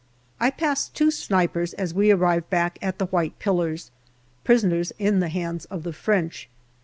I pass two snipers as we arrive back at the white pillars, prisoners in the hands of the French.